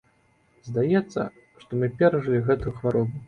Здаецца, што мы перажылі гэтую хваробу.